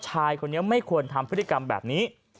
ชายคนนี้ไม่ควรทำพฤติกรรมแบบนี้